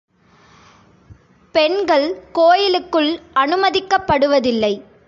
பெண்கள் கோயிலுக்குள் அனுமதிக்கப்படுவதில்லை.